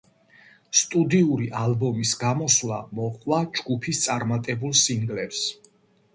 სტუდიური ალბომის გამოსვლა მოჰყვა ჯგუფის წარმატებულ სინგლებს.